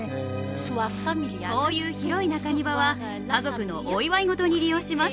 こういう広い中庭は家族のお祝い事に利用します